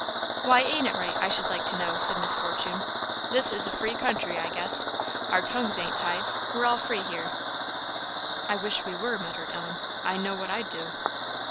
"Why ain't it right, I should like to know?" said Miss Fortune; "this is a free country, I guess. Our tongues ain't tied we're all free here." "I wish we were," muttered Ellen; "I know what I'd do."